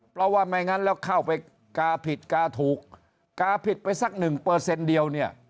เพราะว่าไม่งั้นแล้วเข้าไปกาผิดกาถูกกาผิดไปสัก๑เดียวเนี่ย